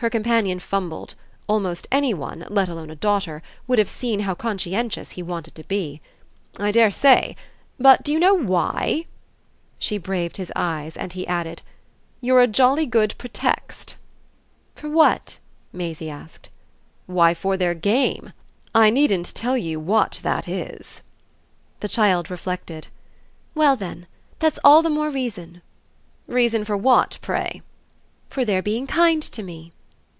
Her companion fumbled; almost any one let alone a daughter would have seen how conscientious he wanted to be. "I dare say. But do you know why?" She braved his eyes and he added: "You're a jolly good pretext." "For what?" Maisie asked. "Why, for their game. I needn't tell you what that is." The child reflected. "Well then that's all the more reason." "Reason for what, pray?" "For their being kind to me."